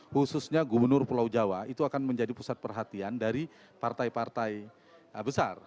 khususnya gubernur pulau jawa itu akan menjadi pusat perhatian dari partai partai besar